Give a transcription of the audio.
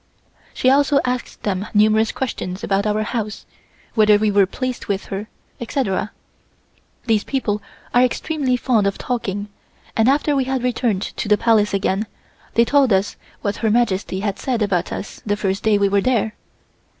She also asked them numerous questions about our house, whether we were pleased with her, etc. These people are extremely fond of talking and after we had returned to the Palace again, they told us what Her Majesty had said about us the first day we were there.